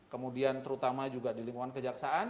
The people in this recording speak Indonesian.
kemudian terutama juga di lingkungan kejaksaan